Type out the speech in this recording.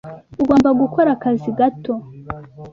ugomba gukora akazi gato.